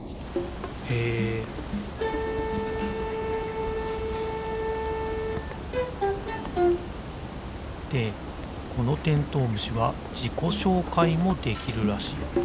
へえでこのてんとう虫はじこしょうかいもできるらしい。